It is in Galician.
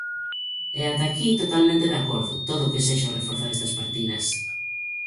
E ata aquí totalmente de acordo, todo o que sexa reforzar estas partidas.